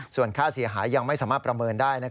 ส่วนค่าเสียหายยังไม่สามารถประเมินได้